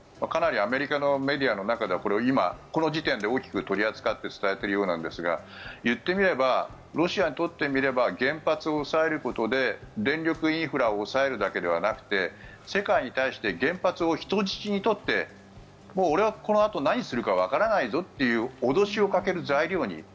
かなりアメリカのメディアの中でこれを今、この時点で大きく取り扱って伝えているようなんですが言ってみればロシアにとってみれば原発を押さえることで電力インフラを押さえるだけじゃなくて世界に対して原発を人質に取って俺はこのあと何するかわからないぞという脅しをかける材料に。